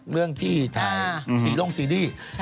เรื่องที่ไถ่สีลงซีรี่ส์